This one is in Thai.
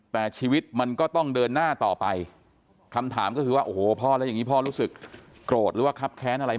แต่ชีวิตมันก็ต้องเดินหน้าต่อไปคำถามก็คือว่าโอ้โหพ่อแล้วอย่างนี้พ่อรู้สึกโกรธหรือว่าคับแค้นอะไร